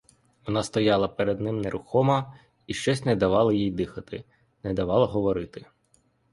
Вона стояла перед ним нерухома, і щось не давало їй дихати, не давало говорити.